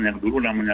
yang dulu namanya